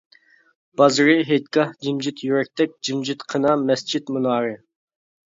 بازىرى ھېيتگاھ جىمجىت يۈرەكتەك جىمجىتقىنا مەسچىت مۇنارى.